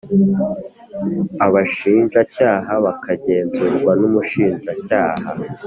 abashinjacyaha bakagenzurwa n Umushinjacyaha